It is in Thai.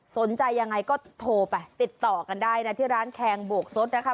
สนใจยังไงก็โทรไปติดต่อกันได้นะที่ร้านแคงโบกสดนะคะ